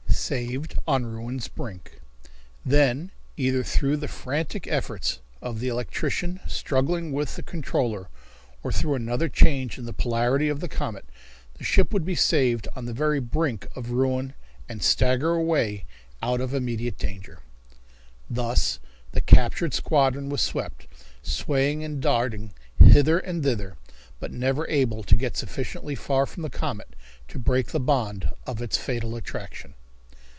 Saved on Ruin's Brink. Then, either through the frantic efforts of the electrician struggling with the controller or through another change in the polarity of the comet, the ship would be saved on the very brink of ruin and stagger away out of immediate danger. Thus the captured squadron was swept, swaying and darting hither and thither, but never able to get sufficiently far from the comet to break the bond of its fatal attraction.